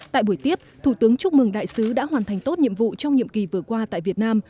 tại buổi tiếp thủ tướng chúc mừng đại sứ đã hoàn thành tốt nhiệm vụ trong nhiệm kỳ vừa qua tại việt nam